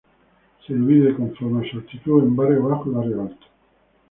Se divide conforme a su altitud en Barrio Bajo y Barrio Alto.